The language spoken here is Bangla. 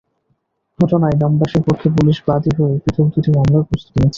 ঘটনায় গ্রামবাসীর পক্ষে পুলিশ বাদী হয়ে পৃথক দুটি মামলার প্রস্তুতি নিচ্ছে।